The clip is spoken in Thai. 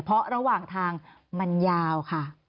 เพราะระหว่างทางมันยาวค่ะ